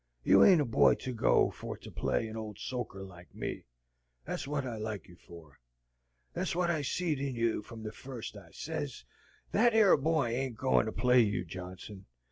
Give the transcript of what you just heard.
"You ain't a boy to go for to play an ole soaker like me. That's wot I like you for. Thet's wot I seed in you from the first. I sez, 'Thet 'ere boy ain't goin' to play you, Johnson!